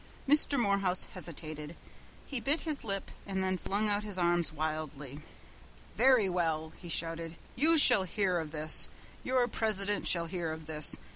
Mr. Morehouse hesitated. He bit his lip and then flung out his arms wildly. "Very well!" he shouted, "you shall hear of this! Your president shall hear of this!